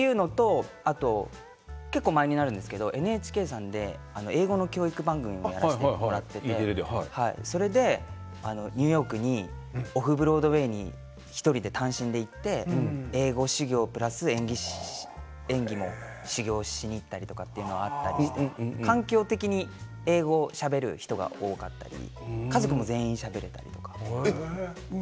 結構、前になるんですがＮＨＫさんで英語の教育番組もやらせていただいてそれでニューヨークにオフ・ブロードウェイに１人で単身で行って英語修業プラス演技も修行しに行ったりとかいうのがあったりして環境的に英語をしゃべる人が多かったり家族も全員しゃべれたりとか。